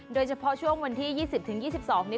โดยเฉพาะช่วงวันที่๒๐๒๒นี้